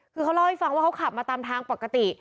คือเขาเล่าให้ฟังว่าเขาขับมาตามทางปกติ